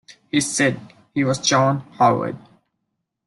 He said he was John Howard.